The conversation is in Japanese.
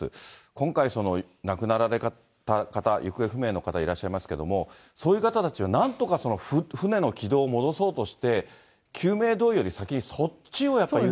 今回、亡くなられた方、行方不明の方、いらっしゃいますけれども、そういう方たちはなんとか船の軌道を戻そうとして、救命胴衣より先にそっちをやっぱり優先。